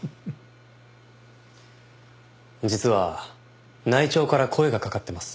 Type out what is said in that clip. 実は内調から声が掛かってます。